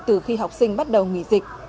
từ khi học sinh bắt đầu nghỉ dịch